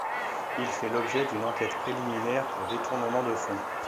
Il fait l'objet d'une enquête préliminaire pour détournement de fonds.